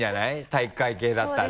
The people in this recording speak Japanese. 体育会系だったら。